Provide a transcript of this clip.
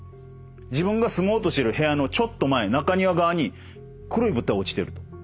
自分が住もうとしてる部屋のちょっと前中庭側に黒い物体落ちてると。